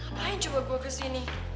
apaan coba gue kesini